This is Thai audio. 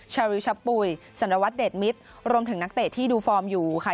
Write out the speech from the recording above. ชาริวชะปุ๋ยสารวัตรเดชมิตรรวมถึงนักเตะที่ดูฟอร์มอยู่ค่ะ